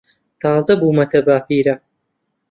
تازە بوومەتە باپیرە.